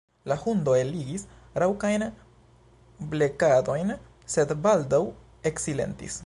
La hundo eligis raŭkajn blekadojn, sed baldaŭ eksilentis.